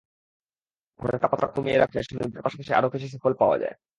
ঘরের তাপমাত্রা কমিয়ে রাখলে সুনিদ্রার পাশাপাশি আরও কিছু সুফল পাওয়া যায়।